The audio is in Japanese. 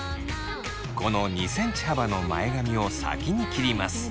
この２ｃｍ幅の前髪を先に切ります。